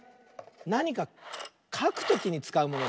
なにかかくときにつかうもの。